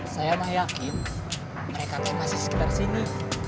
saya mah yakin mereka tuh masih sekitar sini